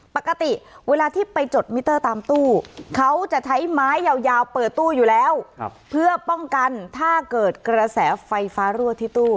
ปกติเวลาที่ไปจดมิเตอร์ตามตู้เขาจะใช้ไม้ยาวเปิดตู้อยู่แล้วเพื่อป้องกันถ้าเกิดกระแสไฟฟ้ารั่วที่ตู้